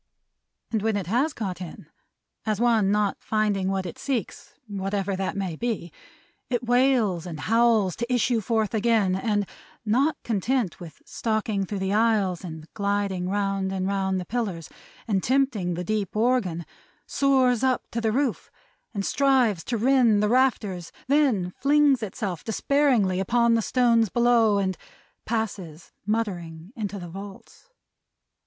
And when it has got in; as one not finding what it seeks, whatever that may be, it wails and howls to issue forth again; and not content with stalking through the aisles, and gliding round and round the pillars, and tempting the deep organ, soars up to the roof, and strives to rend the rafters; then flings itself despairingly upon the stones below, and passes, muttering, into the vaults.